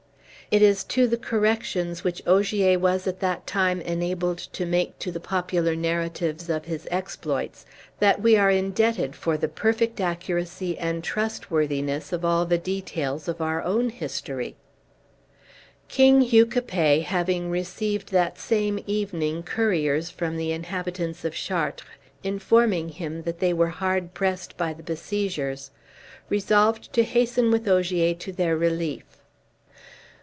It is to the corrections which Ogier was at that time enabled to make to the popular narratives of his exploits that we are indebted for the perfect accuracy and trustworthiness of all the details of our own history. King Hugh Capet, having received that same evening couriers from the inhabitants of Chartres, informing him that they were hard pressed by the besiegers, resolved to hasten with Ogier to their relief.